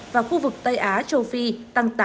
và khu vực tây á châu phi tăng bốn mươi